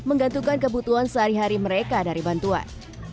menggantungkan kebutuhan sehari hari mereka dari bantuan